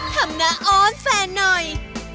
ทำหน้าอ้อนแฟนหน่อย